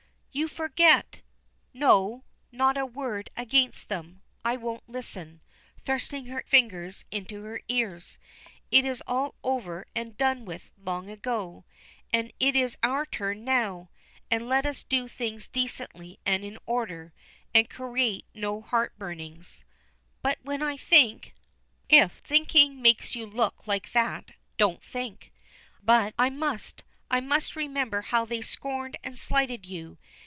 "You forget " "No; not a word against them. I won't listen," thrusting her fingers into her ears. "It is all over and done with long ago. And it is our turn now, and let us do things decently and in order, and create no heart burnings." "But when I think " "If thinking makes you look like that, don't think." "But I must. I must remember how they scorned and slighted you.